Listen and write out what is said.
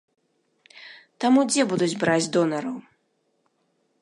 Таму дзе будуць браць донараў?